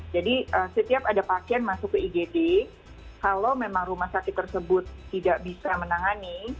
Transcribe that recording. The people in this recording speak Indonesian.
jadi setiap ada pasien masuk ke igd kalau memang rumah sakit tersebut tidak bisa menangani